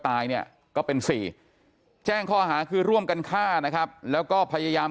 ตายเนี่ยก็เป็น๔แจ้งข้อหาคือร่วมกันฆ่านะครับแล้วก็พยายาม